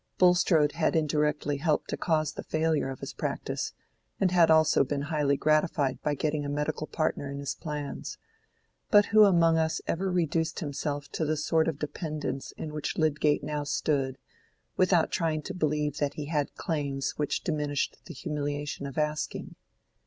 Bulstrode had indirectly helped to cause the failure of his practice, and had also been highly gratified by getting a medical partner in his plans:—but who among us ever reduced himself to the sort of dependence in which Lydgate now stood, without trying to believe that he had claims which diminished the humiliation of asking?